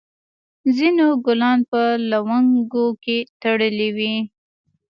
ځینو ګلان په لونګیو کې تړلي وي.